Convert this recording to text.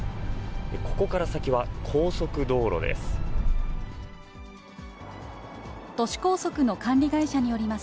ここから先は高速道路です。